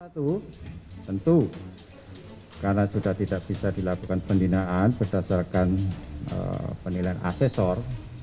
tentu karena sudah tidak bisa dilakukan pembinaan berdasarkan penilaian asesor